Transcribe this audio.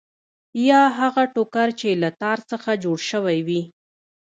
یا هغه ټوکر چې له تار څخه جوړ شوی وي.